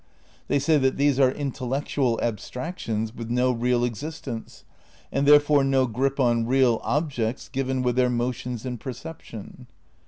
They say that these are intellectual abstractions with no real existence, and therefore no grip on real objects given with their mo tions in perception.